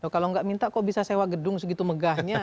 kalau nggak minta kok bisa sewa gedung segitu megahnya